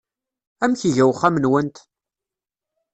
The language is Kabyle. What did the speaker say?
Amek iga uxxam-nwent?